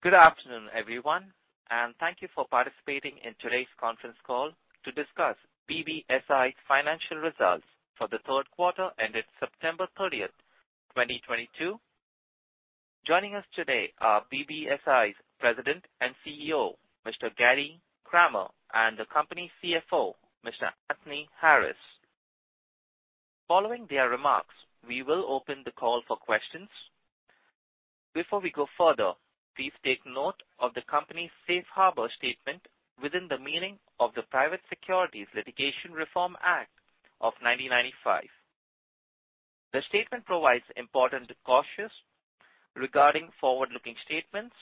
Good afternoon, everyone, and thank you for participating in today's conference call to discuss BBSI's financial results for the third quarter ended September 30, 2022. Joining us today are BBSI's President and CEO, Mr. Gary Kramer, and the company CFO, Mr. Anthony Harris. Following their remarks, we will open the call for questions. Before we go further, please take note of the company's safe harbor statement within the meaning of the Private Securities Litigation Reform Act of 1995. The statement provides important cautions regarding forward-looking statements.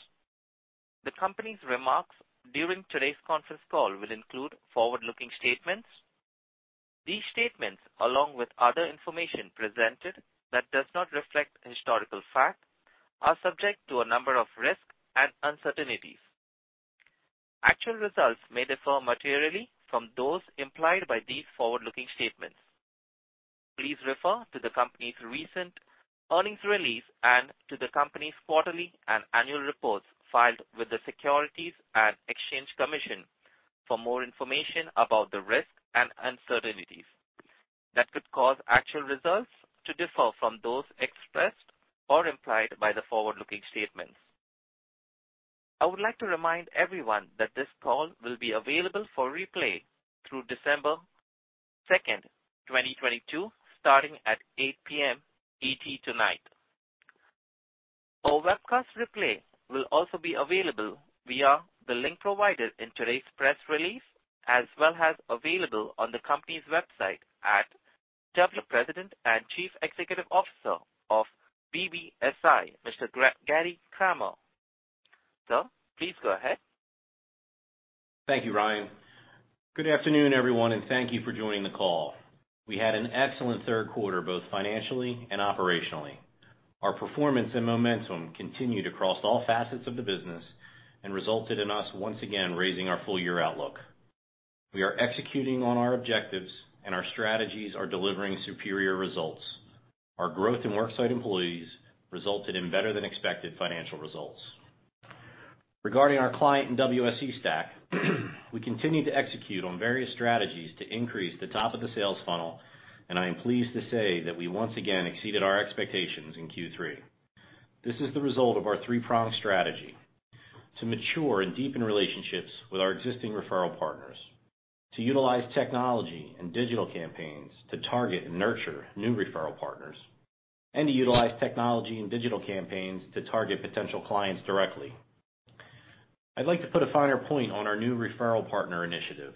The company's remarks during today's conference call will include forward-looking statements. These statements, along with other information presented that does not reflect historical fact, are subject to a number of risks and uncertainties. Actual results may differ materially from those implied by these forward-looking statements. Please refer to the company's recent earnings release and to the company's quarterly and annual reports filed with the Securities and Exchange Commission for more information about the risks and uncertainties that could cause actual results to differ from those expressed or implied by the forward-looking statements. I would like to remind everyone that this call will be available for replay through December 2, 2022, starting at 8:00 P.M. ET tonight. Our webcast replay will also be available via the link provided in today's press release as well as available on the company's website. I'd like to turn the call over to BBSI President and Chief Executive Officer of BBSI, Mr. Gary Kramer. Sir, please go ahead. Thank you, Ryan. Good afternoon, everyone, and thank you for joining the call. We had an excellent third quarter, both financially and operationally. Our performance and momentum continued across all facets of the business and resulted in us once again raising our full year outlook. We are executing on our objectives and our strategies are delivering superior results. Our growth in worksite employees resulted in better than expected financial results. Regarding our client and WSE stack, we continued to execute on various strategies to increase the top of the sales funnel, and I am pleased to say that we once again exceeded our expectations in Q3. This is the result of our three-pronged strategy to mature and deepen relationships with our existing referral partners, to utilize technology and digital campaigns to target and nurture new referral partners, and to utilize technology and digital campaigns to target potential clients directly. I'd like to put a finer point on our new referral partner initiative.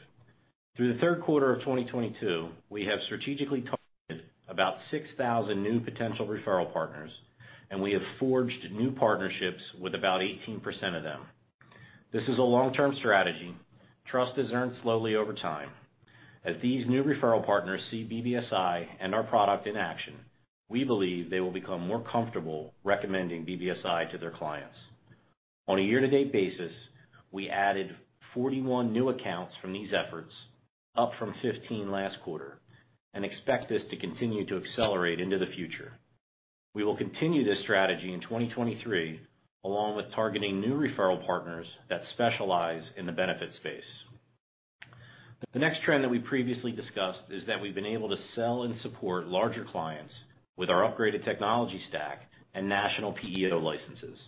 Through the third quarter of 2022, we have strategically targeted about 6,000 new potential referral partners, and we have forged new partnerships with about 18% of them. This is a long-term strategy. Trust is earned slowly over time. As these new referral partners see BBSI and our product in action, we believe they will become more comfortable recommending BBSI to their clients. On a year-to-date basis, we added 41 new accounts from these efforts, up from 15 last quarter, and expect this to continue to accelerate into the future. We will continue this strategy in 2023, along with targeting new referral partners that specialize in the benefits space. The next trend that we previously discussed is that we've been able to sell and support larger clients with our upgraded technology stack and national PEO licenses.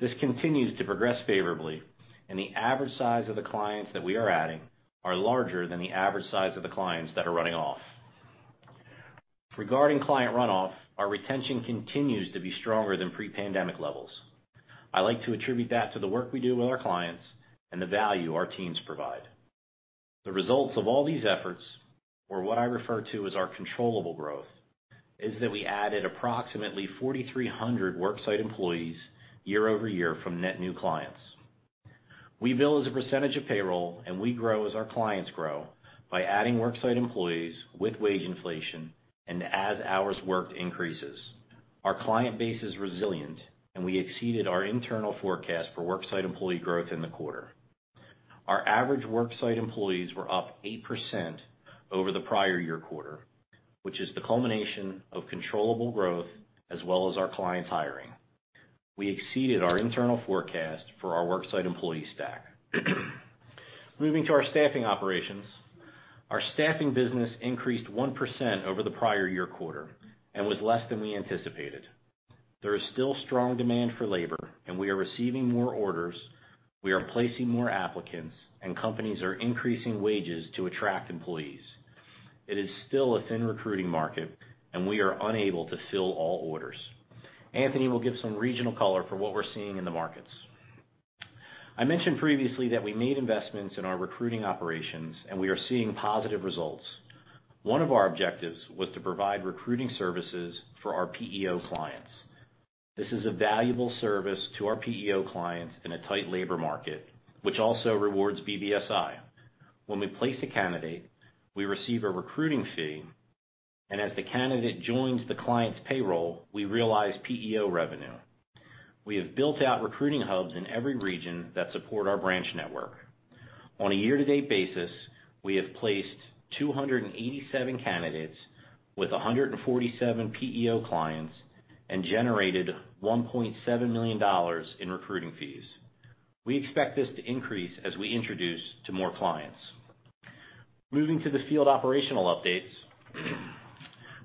This continues to progress favorably, and the average size of the clients that we are adding are larger than the average size of the clients that are running off. Regarding client runoff, our retention continues to be stronger than pre-pandemic levels. I like to attribute that to the work we do with our clients and the value our teams provide. The results of all these efforts, or what I refer to as our controllable growth, is that we added approximately 4,300 worksite employees year-over-year from net new clients. We bill as a percentage of payroll, and we grow as our clients grow by adding worksite employees with wage inflation and as hours worked increases. Our client base is resilient, and we exceeded our internal forecast for worksite employee growth in the quarter. Our average worksite employees were up 8% over the prior year quarter, which is the culmination of controllable growth as well as our clients hiring. We exceeded our internal forecast for our worksite employee stack. Moving to our staffing operations. Our staffing business increased 1% over the prior year quarter and was less than we anticipated. There is still strong demand for labor, and we are receiving more orders. We are placing more applicants, and companies are increasing wages to attract employees. It is still a thin recruiting market, and we are unable to fill all orders. Anthony will give some regional color for what we're seeing in the markets. I mentioned previously that we made investments in our recruiting operations, and we are seeing positive results. One of our objectives was to provide recruiting services for our PEO clients. This is a valuable service to our PEO clients in a tight labor market, which also rewards BBSI. When we place a candidate, we receive a recruiting fee, and as the candidate joins the client's payroll, we realize PEO revenue. We have built out recruiting hubs in every region that support our branch network. On a year-to-date basis, we have placed 287 candidates with 147 PEO clients and generated $1.7 million in recruiting fees. We expect this to increase as we introduce to more clients. Moving to the field operational updates,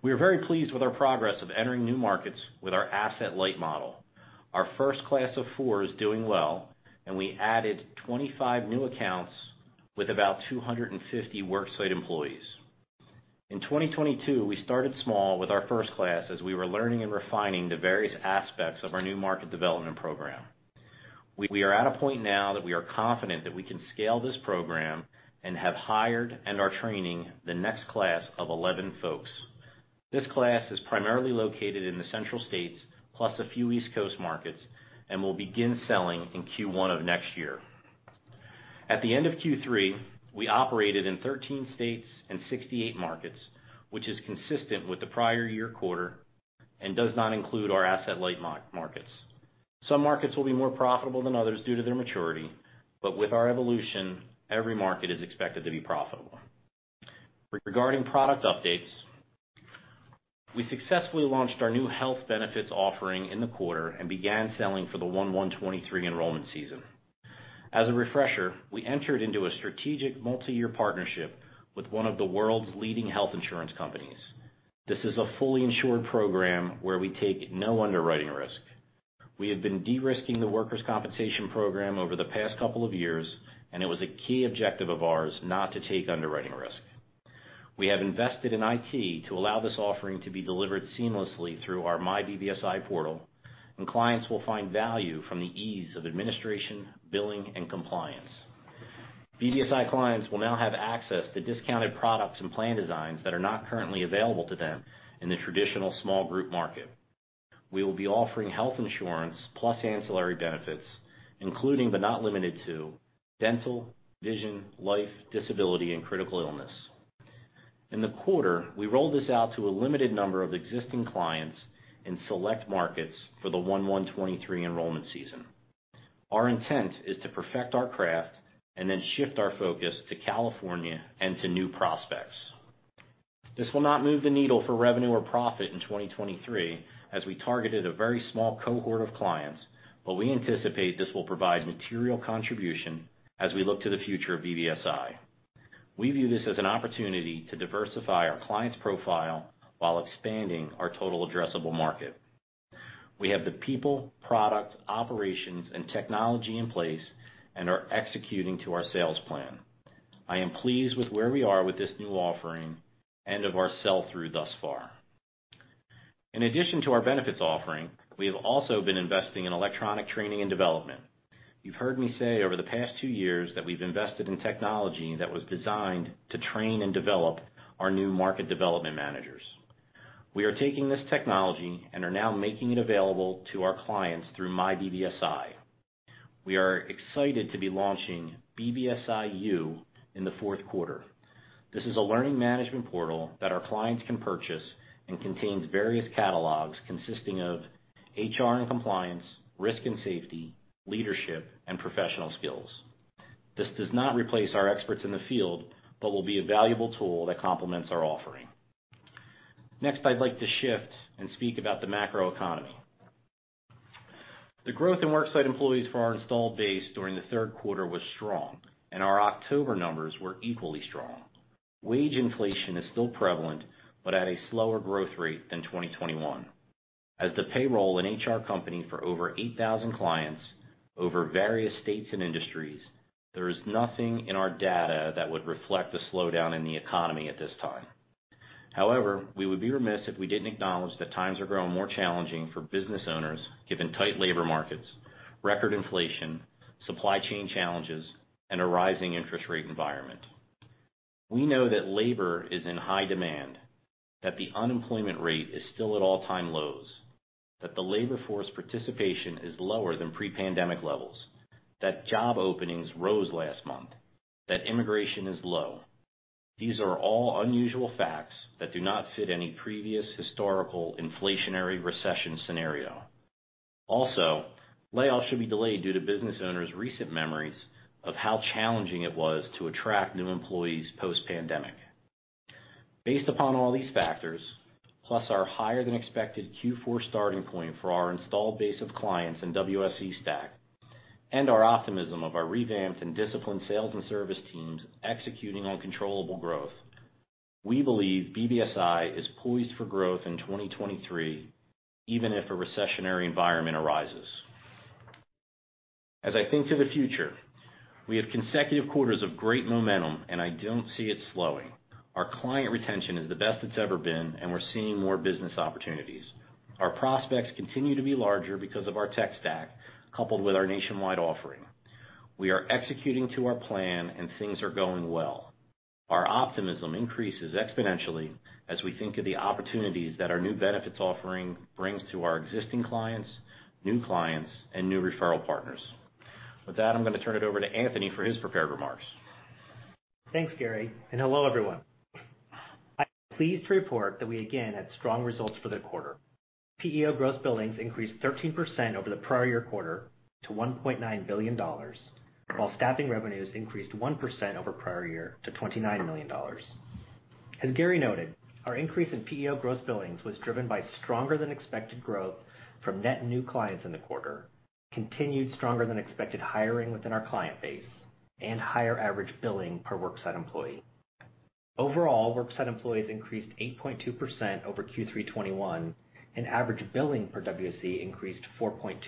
we are very pleased with our progress of entering new markets with our asset-light model. Our first class of 4 is doing well, and we added 25 new accounts with about 250 worksite employees. In 2022, we started small with our first class as we were learning and refining the various aspects of our new market development program. We are at a point now that we are confident that we can scale this program and have hired and are training the next class of 11 folks. This class is primarily located in the central states, plus a few East Coast markets, and will begin selling in Q1 of next year. At the end of Q3, we operated in 13 states and 68 markets, which is consistent with the prior year quarter and does not include our asset-light markets. Some markets will be more profitable than others due to their maturity, but with our evolution, every market is expected to be profitable. Regarding product updates, we successfully launched our new health benefits offering in the quarter and began selling for the 1/1/2023 enrollment season. As a refresher, we entered into a strategic multi-year partnership with one of the world's leading health insurance companies. This is a fully insured program where we take no underwriting risk. We have been de-risking the workers' compensation program over the past couple of years, and it was a key objective of ours not to take underwriting risk. We have invested in IT to allow this offering to be delivered seamlessly through our myBBSI portal, and clients will find value from the ease of administration, billing, and compliance. BBSI clients will now have access to discounted products and plan designs that are not currently available to them in the traditional small group market. We will be offering health insurance plus ancillary benefits, including but not limited to dental, vision, life, disability, and critical illness. In the quarter, we rolled this out to a limited number of existing clients in select markets for the 2023 enrollment season. Our intent is to perfect our craft and then shift our focus to California and to new prospects. This will not move the needle for revenue or profit in 2023 as we targeted a very small cohort of clients, but we anticipate this will provide material contribution as we look to the future of BBSI. We view this as an opportunity to diversify our clients' profile while expanding our total addressable market. We have the people, product, operations, and technology in place and are executing to our sales plan. I am pleased with where we are with this new offering and of our sell-through thus far. In addition to our benefits offering, we have also been investing in electronic training and development. You've heard me say over the past two years that we've invested in technology that was designed to train and develop our new market development managers. We are taking this technology and are now making it available to our clients through myBBSI. We are excited to be launching BBSI U in the fourth quarter. This is a learning management portal that our clients can purchase and contains various catalogs consisting of HR and compliance, risk and safety, leadership, and professional skills. This does not replace our experts in the field but will be a valuable tool that complements our offering. Next, I'd like to shift and speak about the macroeconomy. The growth in work site employees for our installed base during the third quarter was strong, and our October numbers were equally strong. Wage inflation is still prevalent, but at a slower growth rate than 2021. As the payroll and HR company for over 8,000 clients over various states and industries, there is nothing in our data that would reflect the slowdown in the economy at this time. However, we would be remiss if we didn't acknowledge that times are growing more challenging for business owners, given tight labor markets, record inflation, supply chain challenges, and a rising interest rate environment. We know that labor is in high demand, that the unemployment rate is still at all-time lows, that the labor force participation is lower than pre-pandemic levels, that job openings rose last month, that immigration is low. These are all unusual facts that do not fit any previous historical inflationary recession scenario. Also, layoffs should be delayed due to business owners' recent memories of how challenging it was to attract new employees post-pandemic. Based upon all these factors, plus our higher than expected Q4 starting point for our installed base of clients and WSE stack and our optimism of our revamped and disciplined sales and service teams executing on controllable growth, we believe BBSI is poised for growth in 2023, even if a recessionary environment arises. As I think to the future, we have consecutive quarters of great momentum, and I don't see it slowing. Our client retention is the best it's ever been, and we're seeing more business opportunities. Our prospects continue to be larger because of our tech stack, coupled with our nationwide offering. We are executing to our plan and things are going well. Our optimism increases exponentially as we think of the opportunities that our new benefits offering brings to our existing clients, new clients, and new referral partners. With that, I'm gonna turn it over to Anthony for his prepared remarks. Thanks, Gary, and hello, everyone. Pleased to report that we again had strong results for the quarter. PEO gross billings increased 13% over the prior year quarter to $1.9 billion, while staffing revenues increased 1% over prior year to $29 million. As Gary noted, our increase in PEO gross billings was driven by stronger than expected growth from net new clients in the quarter, continued stronger than expected hiring within our client base, and higher average billing per worksite employee. Overall, worksite employees increased 8.2% over Q3 2021, and average billing per WSE increased 4.2%.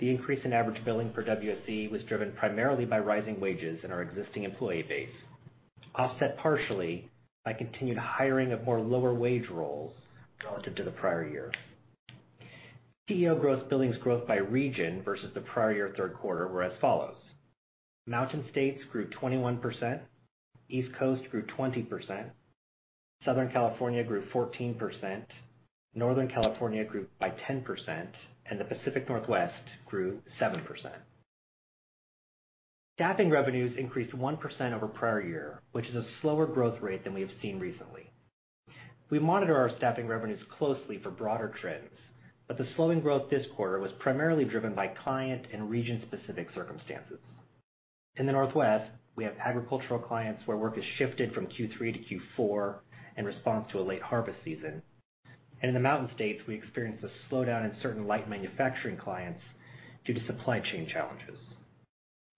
The increase in average billing per WSE was driven primarily by rising wages in our existing employee base, offset partially by continued hiring of more lower wage roles relative to the prior year. PEO gross billings growth by region versus the prior year third quarter were as follows. Mountain States grew 21%, East Coast grew 20%, Southern California grew 14%, Northern California grew by 10%, and the Pacific Northwest grew 7%. Staffing revenues increased 1% over prior year, which is a slower growth rate than we have seen recently. We monitor our staffing revenues closely for broader trends, but the slowing growth this quarter was primarily driven by client and region-specific circumstances. In the Northwest, we have agricultural clients where work has shifted from Q3 to Q4 in response to a late harvest season. In the Mountain States, we experienced a slowdown in certain light manufacturing clients due to supply chain challenges.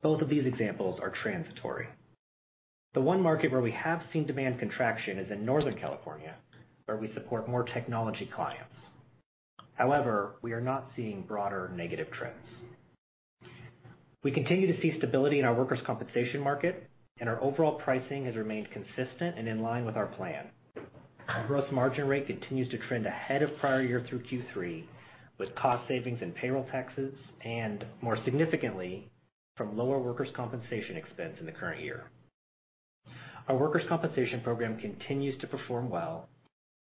Both of these examples are transitory. The one market where we have seen demand contraction is in Northern California, where we support more technology clients. However, we are not seeing broader negative trends. We continue to see stability in our workers' compensation market, and our overall pricing has remained consistent and in line with our plan. Our gross margin rate continues to trend ahead of prior year through Q3 with cost savings in payroll taxes and, more significantly, from lower workers' compensation expense in the current year. Our workers' compensation program continues to perform well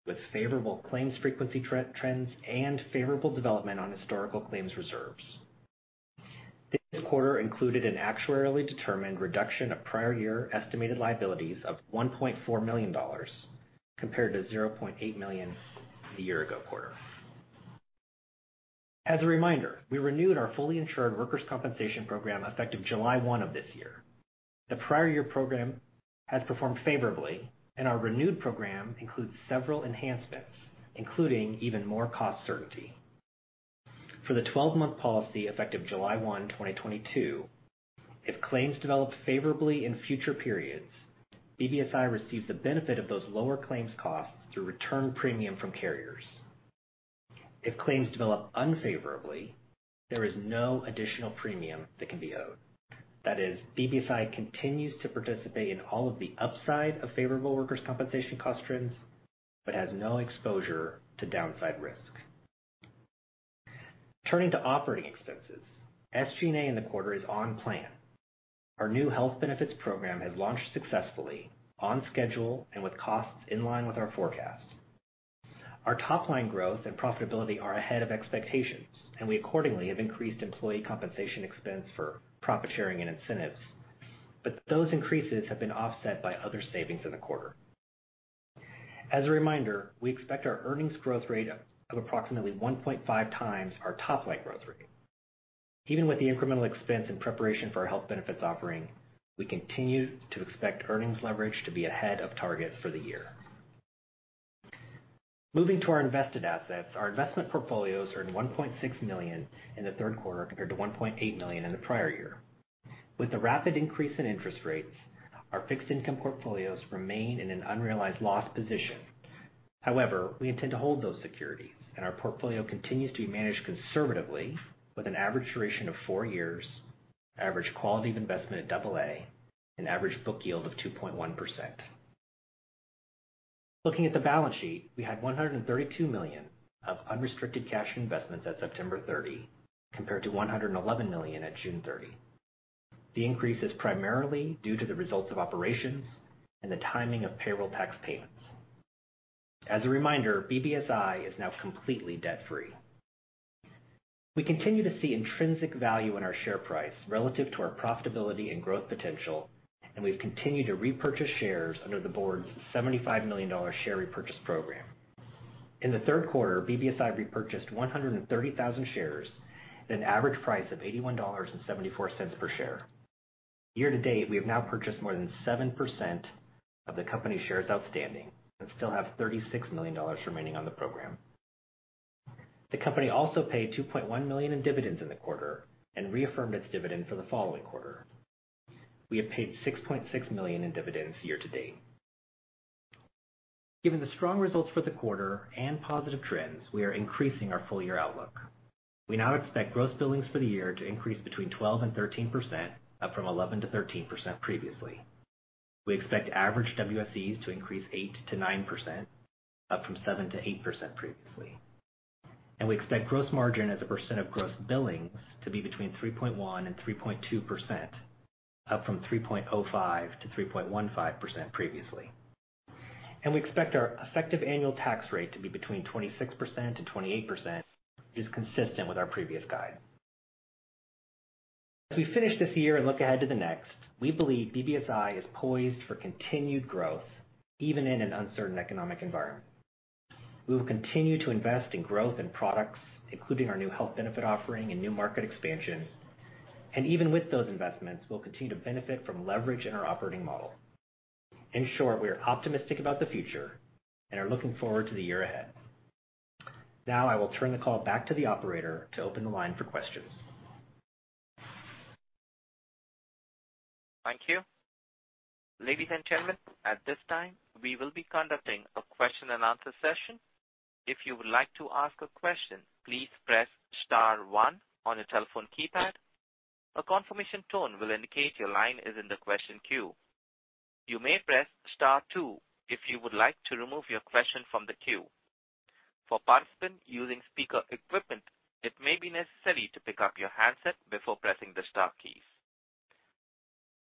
with favorable claims frequency trends and favorable development on historical claims reserves. This quarter included an actuarially determined reduction of prior year estimated liabilities of $1.4 million compared to $0.8 million the year-ago quarter. As a reminder, we renewed our fully insured workers' compensation program effective July 1 of this year. The prior year program has performed favorably, and our renewed program includes several enhancements, including even more cost certainty. For the 12-month policy effective July 1, 2022, if claims develop favorably in future periods, BBSI receives the benefit of those lower claims costs through return premium from carriers. If claims develop unfavorably, there is no additional premium that can be owed. That is, BBSI continues to participate in all of the upside of favorable workers' compensation cost trends, but has no exposure to downside risk. Turning to operating expenses, SG&A in the quarter is on plan. Our new health benefits program has launched successfully on schedule and with costs in line with our forecast. Our top-line growth and profitability are ahead of expectations, and we accordingly have increased employee compensation expense for profit sharing and incentives. Those increases have been offset by other savings in the quarter. As a reminder, we expect our earnings growth rate of approximately 1.5 times our top-line growth rate. Even with the incremental expense in preparation for our health benefits offering, we continue to expect earnings leverage to be ahead of target for the year. Moving to our invested assets, our investment portfolios earned $1.6 million in the third quarter compared to $1.8 million in the prior year. With the rapid increase in interest rates, our fixed income portfolios remain in an unrealized loss position. However, we intend to hold those securities, and our portfolio continues to be managed conservatively with an average duration of four years, average quality of investment at AA, an average book yield of 2.1%. Looking at the balance sheet, we had $132 million of unrestricted cash and investments at September 30, compared to $111 million at June 30. The increase is primarily due to the results of operations and the timing of payroll tax payments. As a reminder, BBSI is now completely debt-free. We continue to see intrinsic value in our share price relative to our profitability and growth potential, and we've continued to repurchase shares under the board's $75 million share repurchase program. In the third quarter, BBSI repurchased 130,000 shares at an average price of $81.74 per share. Year to date, we have now purchased more than 7% of the company's shares outstanding and still have $36 million remaining on the program. The company also paid $2.1 million in dividends in the quarter and reaffirmed its dividend for the following quarter. We have paid $6.6 million in dividends year to date. Given the strong results for the quarter and positive trends, we are increasing our full year outlook. We now expect gross billings for the year to increase between 12% and 13%, up from 11%-13% previously. We expect average WSEs to increase 8%-9%, up from 7%-8% previously. We expect gross margin as a percent of gross billings to be between 3.1% and 3.2%, up from 3.05%-3.15% previously. We expect our effective annual tax rate to be between 26% and 28%, which is consistent with our previous guide. As we finish this year and look ahead to the next, we believe BBSI is poised for continued growth, even in an uncertain economic environment. We will continue to invest in growth and products, including our new health benefit offering and new market expansion. Even with those investments, we'll continue to benefit from leverage in our operating model. In short, we are optimistic about the future and are looking forward to the year ahead. Now I will turn the call back to the operator to open the line for questions. Thank you. Ladies and gentlemen, at this time, we will be conducting a question-and-answer session. If you would like to ask a question, please press star one on your telephone keypad. A confirmation tone will indicate your line is in the question queue. You may press star two if you would like to remove your question from the queue. For participants using speaker equipment, it may be necessary to pick up your handset before pressing the star keys.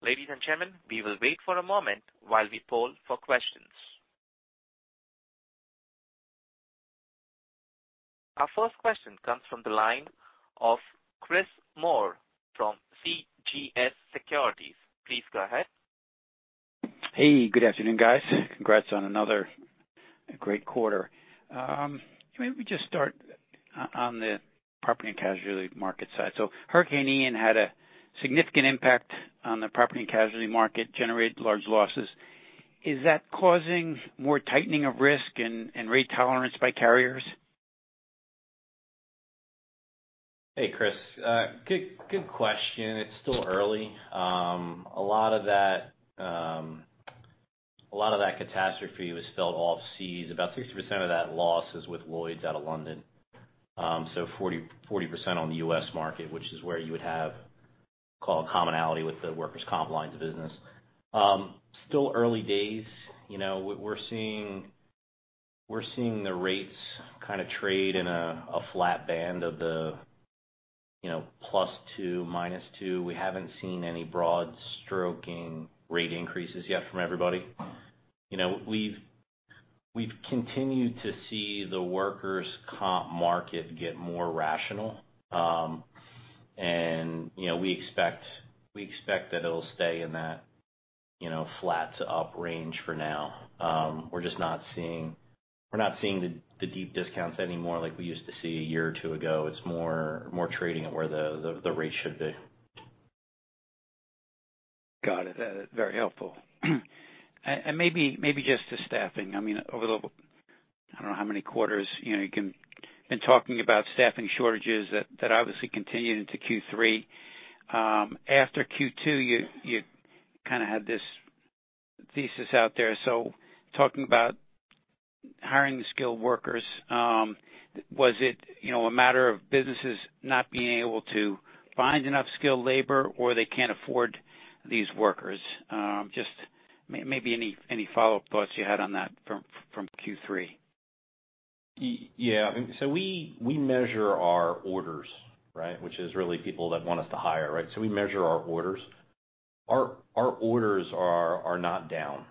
Ladies and gentlemen, we will wait for a moment while we poll for questions. Our first question comes from the line of Chris Moore from CJS Securities. Please go ahead. Hey, good afternoon, guys. Congrats on another great quarter. Maybe just start on the property and casualty market side. Hurricane Ian had a significant impact on the property and casualty market, generated large losses. Is that causing more tightening of risk and rate tolerance by carriers? Hey, Chris. Good question. It's still early. A lot of that catastrophe was felt overseas. About 60% of that loss is with Lloyd's out of London. So 40% on the U.S. market, which is where you would have, call it, commonality with the workers' comp lines of business. Still early days. You know, we're seeing the rates kinda trade in a flat band of, you know, +2% to -2%. We haven't seen any broad stroking rate increases yet from everybody. You know, we've continued to see the workers' comp market get more rational. You know, we expect that it'll stay in that, you know, flat to up range for now. We're just not seeing. We're not seeing the deep discounts anymore like we used to see a year or two ago. It's more trading at where the rate should be. Got it. That is very helpful. Maybe just to staffing. I mean, over the, I don't know how many quarters, you know, been talking about staffing shortages that obviously continued into Q3. After Q2, you kinda had this thesis out there. Talking about hiring skilled workers, was it, you know, a matter of businesses not being able to find enough skilled labor or they can't afford these workers? Just maybe any follow-up thoughts you had on that from Q3. Yeah. We measure our orders, right, which is really people that want us to hire, right? We measure our orders. Our orders are not down,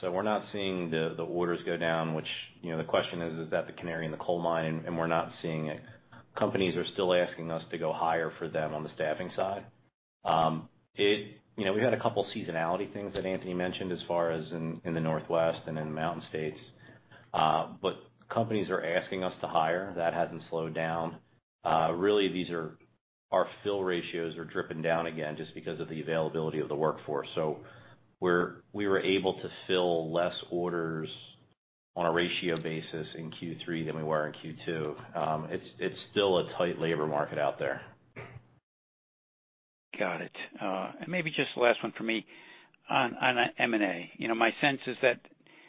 so we're not seeing the orders go down, which, you know, the question is that the canary in the coal mine, and we're not seeing it. Companies are still asking us to go hire for them on the staffing side. You know, we had a couple seasonality things that Anthony mentioned as far as in the Northwest and in the Mountain States, but companies are asking us to hire. That hasn't slowed down. Really, our fill ratios are dipping down again just because of the availability of the workforce. We were able to fill less orders on a ratio basis in Q3 than we were in Q2. It's still a tight labor market out there. Got it. Maybe just the last one for me on M&A. You know, my sense is that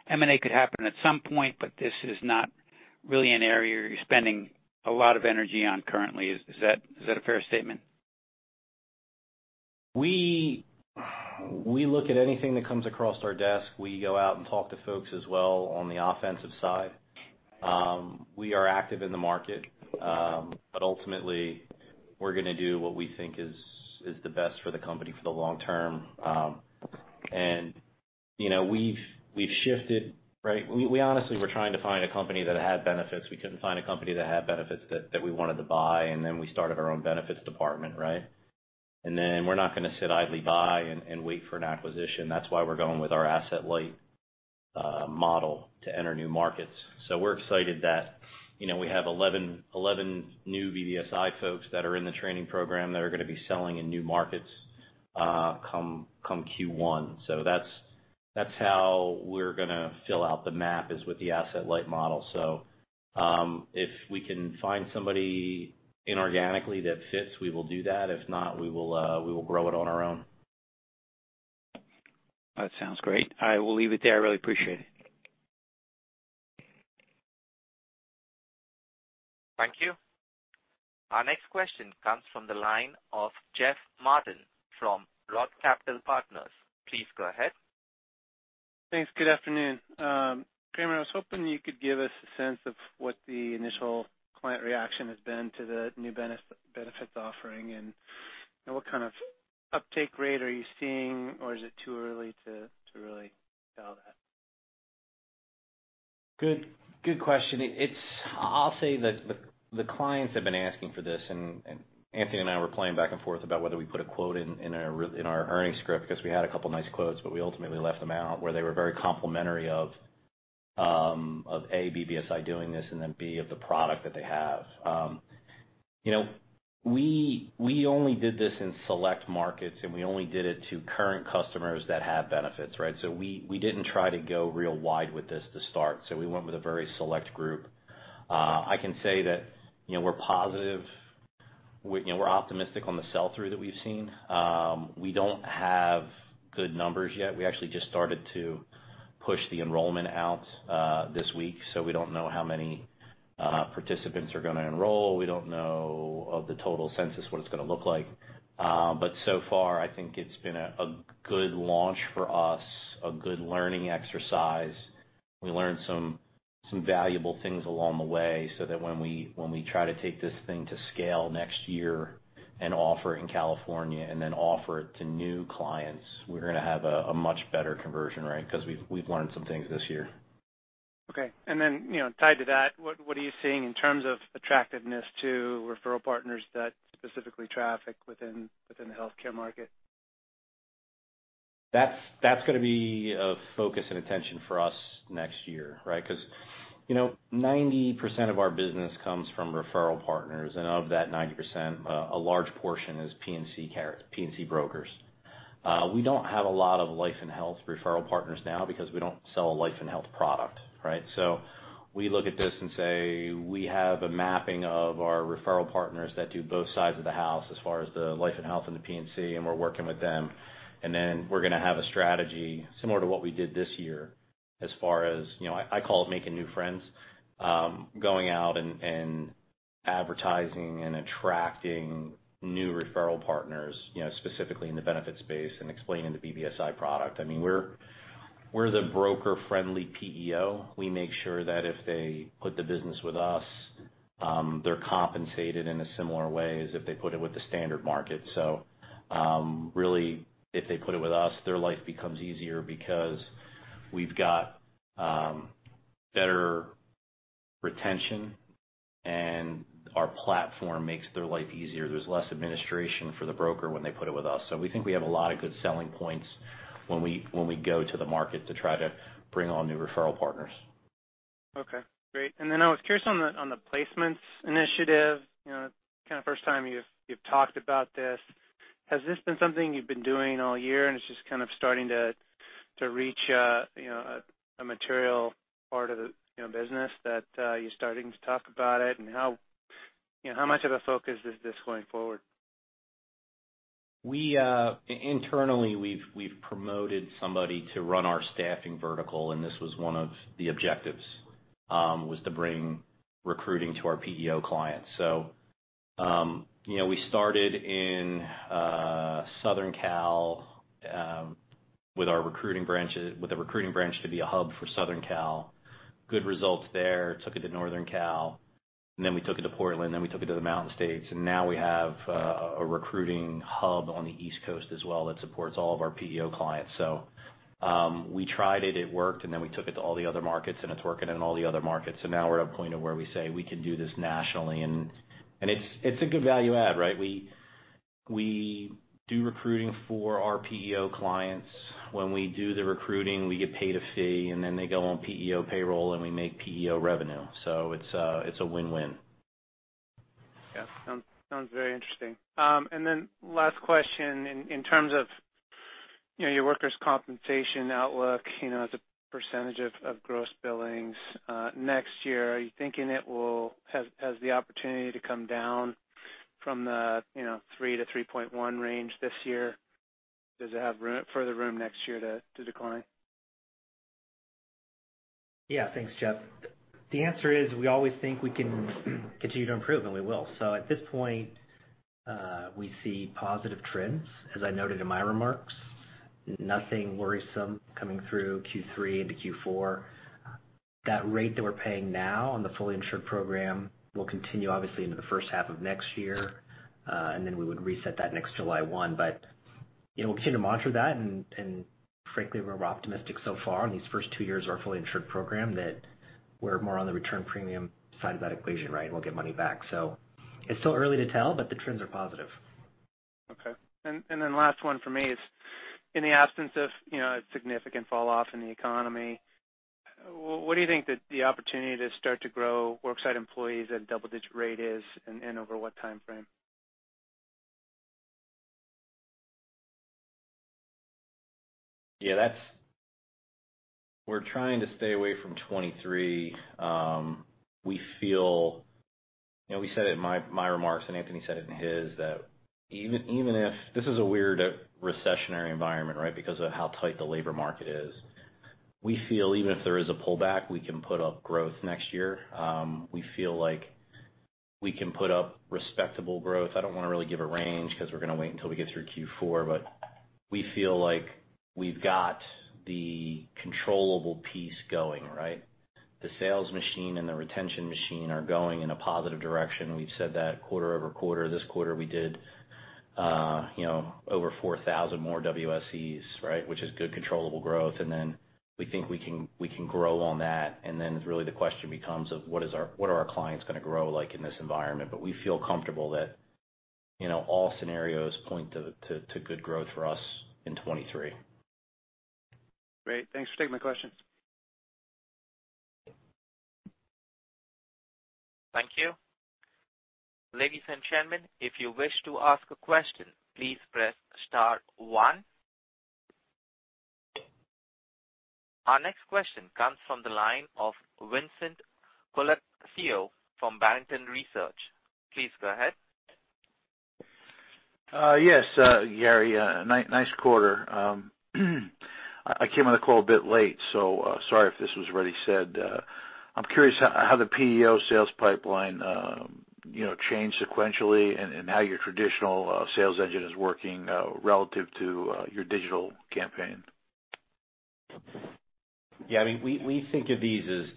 M&A could happen at some point, but this is not really an area you're spending a lot of energy on currently. Is that a fair statement? We look at anything that comes across our desk. We go out and talk to folks as well on the offensive side. We are active in the market, but ultimately, we're gonna do what we think is the best for the company for the long term. You know, we've shifted, right? We honestly were trying to find a company that had benefits. We couldn't find a company that had benefits that we wanted to buy, and then we started our own benefits department, right? We're not gonna sit idly by and wait for an acquisition. That's why we're going with our asset-light model to enter new markets. We're excited that, you know, we have 11 new BBSI folks that are in the training program that are gonna be selling in new markets, come Q1. That's how we're gonna fill out the map is with the asset-light model. If we can find somebody inorganically that fits, we will do that. If not, we will grow it on our own. That sounds great. I will leave it there. I really appreciate it. Thank you. Our next question comes from the line of Jeff Martin from Roth Capital Partners. Please go ahead. Thanks. Good afternoon. Kramer, I was hoping you could give us a sense of what the initial client reaction has been to the new benefits offering and what kind of uptake rate are you seeing, or is it too early to really tell that? Good question. It's. I'll say that the clients have been asking for this, and Anthony and I were playing back and forth about whether we put a quote in our earnings script because we had a couple nice quotes, but we ultimately left them out, where they were very complimentary of A, BBSI doing this, and then B, of the product that they have. You know, we only did this in select markets, and we only did it to current customers that have benefits, right? So we didn't try to go real wide with this to start. So we went with a very select group. I can say that, you know, we're positive. You know, we're optimistic on the sell-through that we've seen. We don't have good numbers yet. We actually just started to push the enrollment out this week, so we don't know how many participants are gonna enroll. We don't know of the total census, what it's gonna look like. So far, I think it's been a good launch for us, a good learning exercise. We learned some valuable things along the way so that when we try to take this thing to scale next year and offer it in California and then offer it to new clients, we're gonna have a much better conversion rate because we've learned some things this year. Okay. You know, tied to that, what are you seeing in terms of attractiveness to referral partners that specifically traffic within the healthcare market? That's gonna be a focus and attention for us next year, right? 'Cause, you know, 90% of our business comes from referral partners, and of that 90%, a large portion is P&C brokers. We don't have a lot of life and health referral partners now because we don't sell a life and health product, right? So we look at this and say we have a mapping of our referral partners that do both sides of the house as far as the life and health and the P&C, and we're working with them. Then we're gonna have a strategy similar to what we did this year as far as, you know, I call it making new friends, going out and advertising and attracting new referral partners, you know, specifically in the benefits space and explaining the BBSI product. I mean, we're the broker-friendly PEO. We make sure that if they put the business with us, they're compensated in a similar way as if they put it with the standard market. Really, if they put it with us, their life becomes easier because we've got better retention, and our platform makes their life easier. There's less administration for the broker when they put it with us. We think we have a lot of good selling points when we go to the market to try to bring on new referral partners. Okay, great. I was curious on the placements initiative, you know, kind of first time you've talked about this. Has this been something you've been doing all year and it's just kind of starting to reach a you know a material part of the you know business that you're starting to talk about it? How you know how much of a focus is this going forward? We internally, we've promoted somebody to run our staffing vertical, and this was one of the objectives to bring recruiting to our PEO clients. You know, we started in Southern Cal with a recruiting branch to be a hub for Southern Cal. Good results there. Took it to Northern Cal, and then we took it to Portland, then we took it to the Mountain States, and now we have a recruiting hub on the East Coast as well that supports all of our PEO clients. We tried it worked, and then we took it to all the other markets, and it's working in all the other markets. Now we're at a point of where we say, we can do this nationally. It's a good value add, right? We do recruiting for our PEO clients. When we do the recruiting, we get paid a fee, and then they go on PEO payroll, and we make PEO revenue. It's a win-win. Yeah. Sounds very interesting. Last question. In terms of, you know, your workers' compensation outlook, you know, as a percentage of gross billings, next year, are you thinking it has the opportunity to come down from the, you know, 3%-3.1% range this year? Does it have further room next year to decline? Yeah. Thanks, Jeff. The answer is we always think we can continue to improve, and we will. At this point, we see positive trends, as I noted in my remarks. Nothing worrisome coming through Q3 into Q4. That rate that we're paying now on the fully insured program will continue obviously into the first half of next year, and then we would reset that next July 1. You know, we'll continue to monitor that, and frankly, we're optimistic so far in these first two years of our fully insured program that we're more on the return premium side of that equation, right? We'll get money back. It's still early to tell, but the trends are positive. Okay. Then last one for me is, in the absence of, you know, a significant fall off in the economy, what do you think that the opportunity to start to grow worksite employees at a double-digit rate is, and over what timeframe? We're trying to stay away from 2023. We feel. You know, we said it in my remarks, and Anthony said it in his, that even if this is a weird recessionary environment, right, because of how tight the labor market is. We feel even if there is a pullback, we can put up growth next year. We feel like we can put up respectable growth. I don't wanna really give a range because we're gonna wait until we get through Q4, but we feel like we've got the controllable piece going, right? The sales machine and the retention machine are going in a positive direction. We've said that quarter-over-quarter. This quarter, we did, you know, over 4,000 more WSEs, right? Which is good, controllable growth. We think we can grow on that. Really the question becomes of what are our clients gonna grow like in this environment? We feel comfortable that, you know, all scenarios point to good growth for us in 2023. Great. Thanks for taking my questions. Thank you. Ladies and gentlemen, if you wish to ask a question, please press star one. Our next question comes from the line of Vincent Colicchio from Barrington Research. Please go ahead. Yes, Gary, nice quarter. I came on the call a bit late, so sorry if this was already said. I'm curious how the PEO sales pipeline, you know, changed sequentially and how your traditional sales engine is working relative to your digital campaign. Yeah. I mean, we think of these as,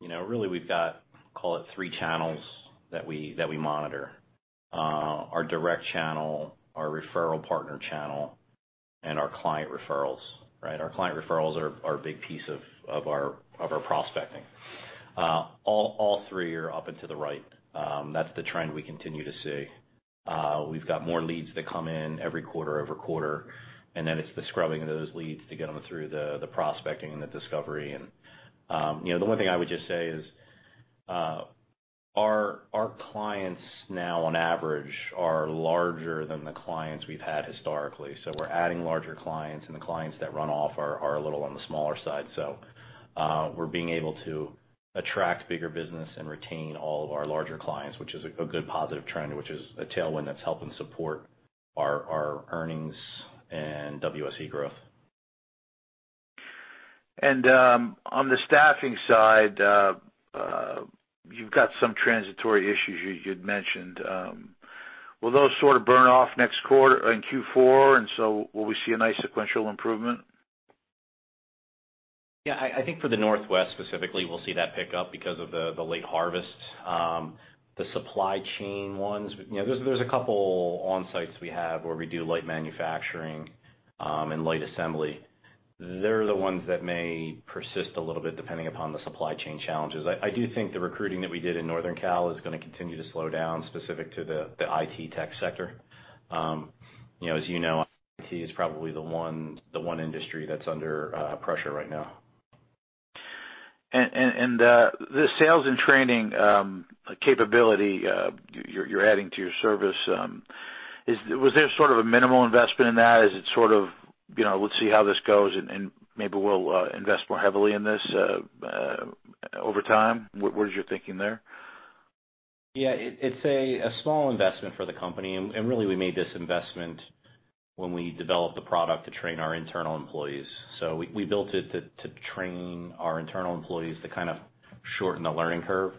you know, really we've got, call it three channels that we monitor. Our direct channel, our referral partner channel, and our client referrals, right? Our client referrals are a big piece of our prospecting. All three are up and to the right. That's the trend we continue to see. We've got more leads that come in every quarter-over-quarter, and then it's the scrubbing of those leads to get them through the prospecting and the discovery. You know, the one thing I would just say is, our clients now on average are larger than the clients we've had historically. We're adding larger clients, and the clients that run off are a little on the smaller side. We're being able to attract bigger business and retain all of our larger clients, which is a good positive trend, which is a tailwind that's helping support our earnings and WSE growth. On the staffing side, you've got some transitory issues you'd mentioned. Will those sort of burn off next quarter, in Q4, and so will we see a nice sequential improvement? Yeah. I think for the Northwest specifically, we'll see that pick up because of the late harvest. The supply chain ones, you know, there's a couple on-sites we have where we do light manufacturing, and light assembly. They're the ones that may persist a little bit depending upon the supply chain challenges. I do think the recruiting that we did in Northern Cal is gonna continue to slow down specific to the IT tech sector. You know, as you know, IT is probably the one industry that's under pressure right now. The sales and training capability you're adding to your service is. Was there sort of a minimal investment in that? Is it sort of, you know, let's see how this goes and maybe we'll invest more heavily in this over time? What is your thinking there? Yeah. It's a small investment for the company, and really we made this investment when we developed the product to train our internal employees. We built it to train our internal employees to kind of shorten the learning curve.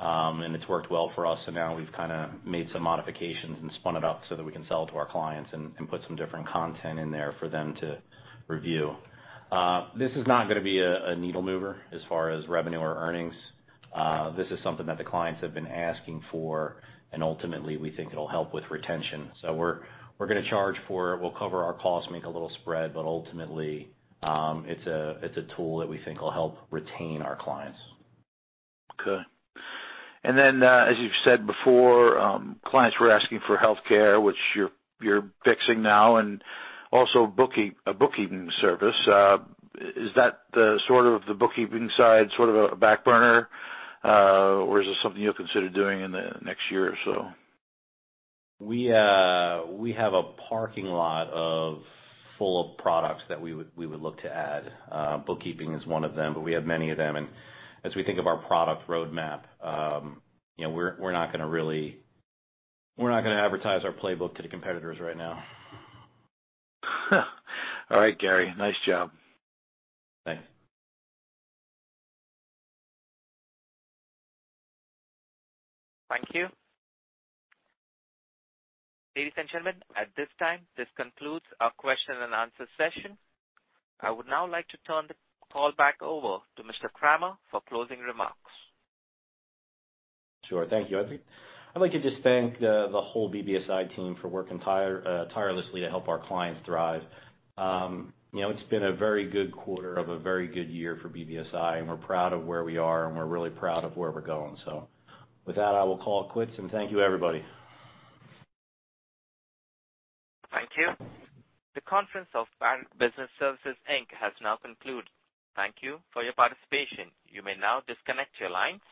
It's worked well for us, so now we've kinda made some modifications and spun it up so that we can sell it to our clients and put some different content in there for them to review. This is not gonna be a needle mover as far as revenue or earnings. This is something that the clients have been asking for, and ultimately we think it'll help with retention. We're gonna charge for it. We'll cover our costs, make a little spread, but ultimately it's a tool that we think will help retain our clients. As you've said before, clients were asking for healthcare, which you're fixing now, and also a bookkeeping service. Is that sort of the bookkeeping side on the back burner, or is this something you'll consider doing in the next year or so? We have a parking lot full of products that we would look to add. Bookkeeping is one of them, but we have many of them. As we think of our product roadmap, you know, we're not gonna advertise our playbook to the competitors right now. All right, Gary, nice job. Thanks. Thank you. Ladies and gentlemen, at this time, this concludes our question and answer session. I would now like to turn the call back over to Mr. Kramer for closing remarks. Sure. Thank you, Adri. I'd like to just thank the whole BBSI team for working tirelessly to help our clients thrive. You know, it's been a very good quarter of a very good year for BBSI, and we're proud of where we are, and we're really proud of where we're going. With that, I will call it quits, and thank you, everybody. Thank you. The conference of Barrett Business Services, Inc. has now concluded. Thank you for your participation. You may now disconnect your lines.